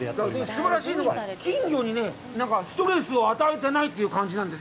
すばらしいのが、金魚にストレスを与えてないという感じなんです。